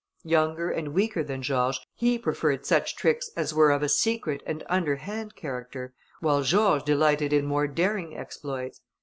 Younger and weaker than George, he preferred such tricks as were of a secret and underhand character, while George delighted in more daring exploits.